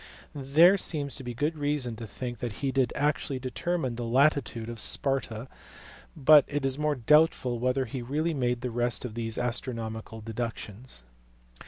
There seems good reason to think that he did actually determine the latitude of Sparta, but it is more doubtful whether he really made the rest of these astronomical deductions.